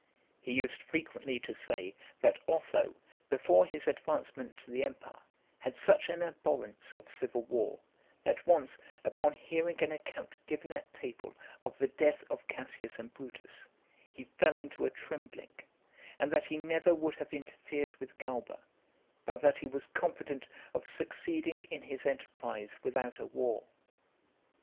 He used frequently to say, that Otho, before his advancement to the empire, had such an abhorrence of civil war, that once, upon hearing an account given at table of the death of Cassius and Brutus, he fell into a trembling, and that he never would have interfered with Galba, but that he was confident of succeeding in his enterprise without a war.